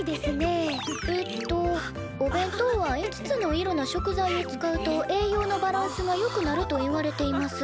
えっと「お弁当は５つの色の食材を使うと栄養のバランスがよくなるといわれています。